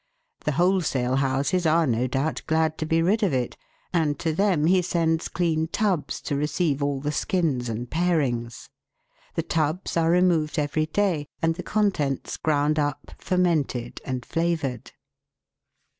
The wholesale houses are, no doubt, glad to be rid of it, and to them he sends clean tubs to receive all the skins and parings. The tubs are removed every day, and the con tents ground up, fermented, and flavoured.